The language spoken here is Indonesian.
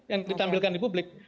yang ditampilkan di publik